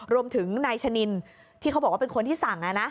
รวมถึงนายชะนินที่เขาบอกว่าเป็นคนที่สั่ง